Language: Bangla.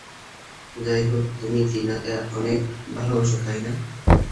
যাই হোক, তুমি টিনাকে অনেক ভালোবাসো তাই না?